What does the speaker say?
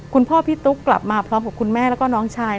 พี่ตุ๊กกลับมาพร้อมกับคุณแม่แล้วก็น้องชาย